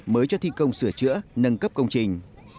mới cho thi công sửa chữa nâng cấp công trình